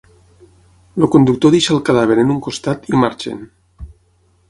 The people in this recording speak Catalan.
El conductor deixa el cadàver en un costat, i marxen.